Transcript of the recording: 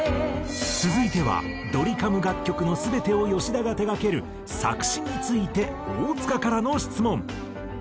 続いてはドリカム楽曲の全てを吉田が手がける作詩について大塚からの質問。